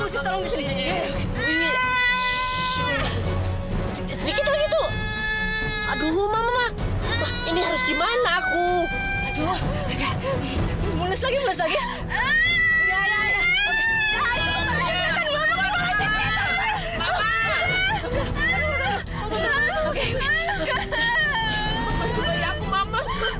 gitu mulus lagi kamu siap siap